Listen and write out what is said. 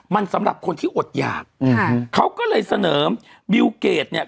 มันสำหรับคนที่อดหยากอืมเขาก็เลยเสนอบิวเกดเนี่ย